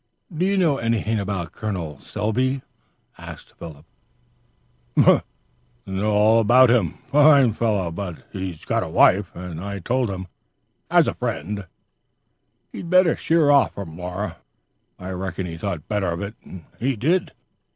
"Do you know anything about a Col. Selby?" "Know all about him. Fine fellow. But he's got a wife; and I told him, as a friend, he'd better sheer off from Laura. I reckon he thought better of it and did."